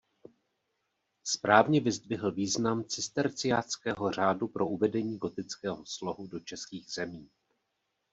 Správně vyzdvihl význam cisterciáckého řádu pro uvedení gotického slohu do českých zemí.